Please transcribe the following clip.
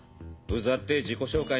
うざってぇ自己紹介